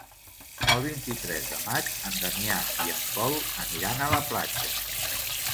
El vint-i-tres de maig en Damià i en Pol aniran a la platja.